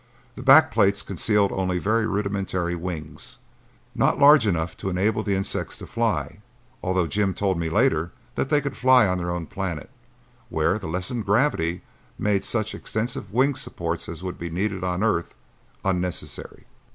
The backplates concealed only very rudimentary wings, not large enough to enable the insects to fly, although Jim told me later that they could fly on their own planet, where the lessened gravity made such extensive wing supports as would be needed on earth unnecessary.